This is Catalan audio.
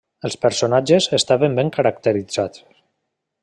Els personatges estaven ben caracteritzats.